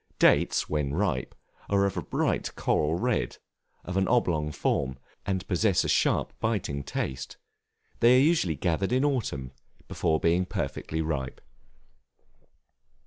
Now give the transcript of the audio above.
Dates, when ripe, are of a bright coral red, of an oblong form, and possess a sharp biting taste: they are usually gathered in autumn, before being perfectly ripe.